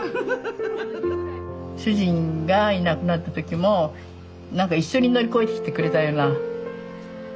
主人がいなくなった時も何か一緒に乗り越えてきてくれたようなね。